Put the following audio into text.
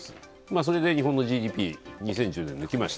それで日本のＧＤＰ、２０１０年抜きました。